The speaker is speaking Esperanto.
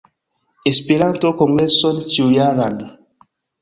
Esperanto-kongreson ĉiujaran